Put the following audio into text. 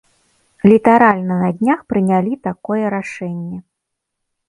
Літаральна на днях прынялі такое рашэнне.